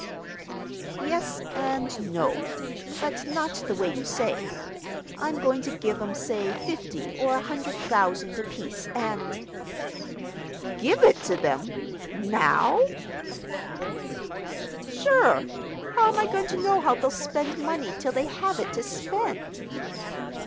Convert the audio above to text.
"Yes, and no. But not the way you say. I'm going to give 'em say fifty or a hundred thousand apiece, and—" "Give it to them—now?" "Sure! How'm I going to know how they'll spend money till they have it to spend?"